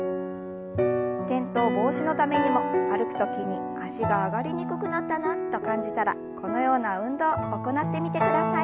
転倒防止のためにも歩く時に脚が上がりにくくなったなと感じたらこのような運動行ってみてください。